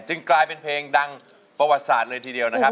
กลายเป็นเพลงดังประวัติศาสตร์เลยทีเดียวนะครับ